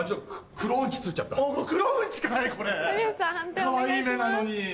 かわいい目なのに。